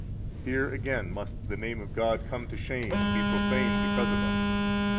42 Here again must the name of God come to shame and be profaned because of us.